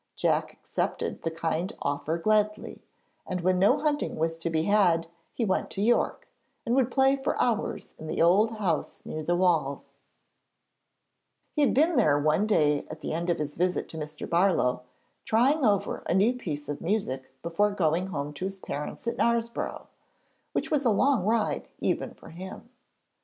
Jack accepted the kind offer gladly, and when no hunting was to be had he went to York, and would play for hours in the old house near the walls. [Illustration: BLIND JACK PLAYS HIS FIDDLE AT THE ASSEMBLY BALLS.] He had been there one day at the end of his visit to Mr. Barlow, trying over a new piece of music before going home to his parents at Knaresborough, which was a long ride even for him.